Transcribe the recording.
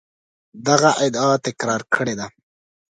دغه ادعا تکرار کړې ده.